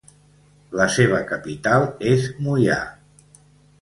La seva capital és Moià.